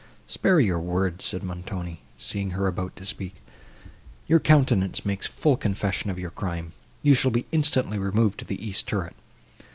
"Spare your words," said Montoni, seeing her about to speak, "your countenance makes full confession of your crime.—You shall be instantly removed to the east turret."